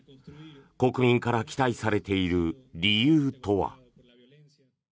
国民から期待されている理由とは。